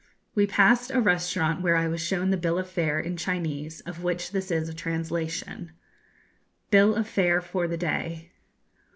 We passed a restaurant where I was shown the bill of fare in Chinese of which this is a translation: BILL OF FARE FOR THE DAY.